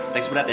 thanks berat ya